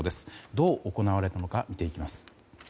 どう行われたのか見ていきます。